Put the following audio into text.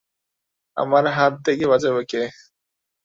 আমার হাত থেকে বাঁচাবে কে?